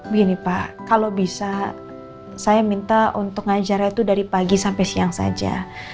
begini pak kalau bisa saya minta untuk ngajarnya itu dari pagi sampai siang saja